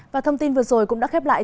và thông tin vừa rồi cũng đã khép lại